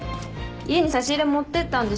家に差し入れ持ってったんでしょ？